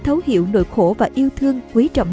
thấu hiểu nội khổ và yêu thương quý trọng